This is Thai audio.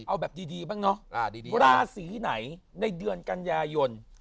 เอาแบบดีบ้างเนาะราศีไหนในเดือนกันยายน